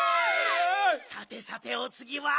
さてさておつぎは。